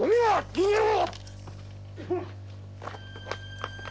逃げろ！